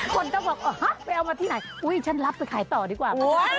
คนก็บอกไปเอามาที่ไหนอุ้ยฉันรับไปขายต่อดีกว่า